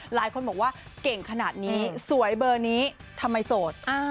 หลายคนบอกว่าเก่งขนาดนี้สวยเบอร์นี้ทำไมโสด